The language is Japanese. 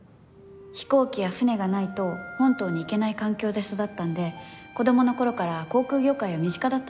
飛行機や船がないと本島に行けない環境で育ったんで子供の頃から航空業界は身近だったんです。